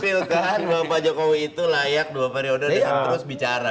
saya suka bahwa pak jokowi itu layak dua periode terus bicara